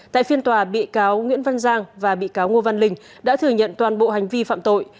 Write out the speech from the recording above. tại phiên tòa bị cáo nguyễn văn giang và bị cáo ngô văn linh đã thừa nhận toàn bộ hành vi phạm tội